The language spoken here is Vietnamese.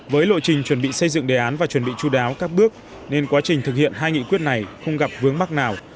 với lộ trình chuẩn bị xây dựng đề án và chuẩn bị chú đáo các bước nên quá trình thực hiện hai nghị quyết này không gặp vướng mắt nào